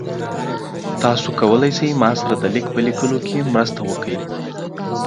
تاسو کولی شئ ما سره د لیک په لیکلو کې مرسته وکړئ؟